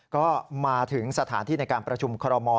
ก็มาถึงสถานที่ในการประชุมคอรมอล